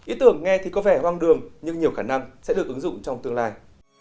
ý tưởng nghe thì có vẻ hoang đường nhưng nhiều khả năng sẽ được ứng dụng trong tương lai